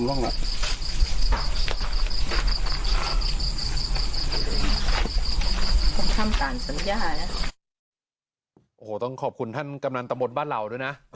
โอ้โหต้องขอบคุณท่านกำนันตะบนบ้านเหล่าด้วยนะ